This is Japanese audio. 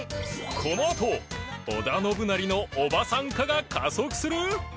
このあと織田信成のおばさん化が加速する！？